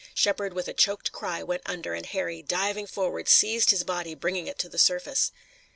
Shepard with a choked cry went under and Harry, diving forward, seized his body, bringing it to the surface.